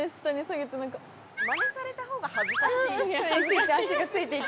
マネされたほうが恥ずかしい。